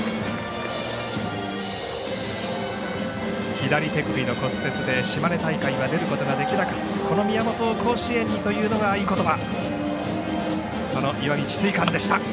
左手首の骨折で島根大会は出ることができなかったこの宮本を甲子園にというのが合言葉。